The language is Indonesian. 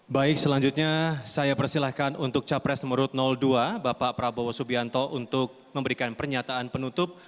baik selanjutnya saya persilahkan untuk capres menurut dua bapak prabowo subianto untuk memberikan pernyataan penutup